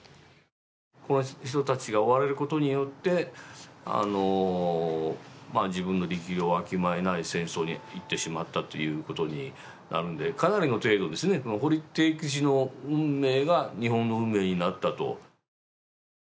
こういう人たちが追われることによって自分の力量をわきまえない戦争にいってしまったということになるので、かなりの程度、堀悌吉の運命が日本の運命になったと。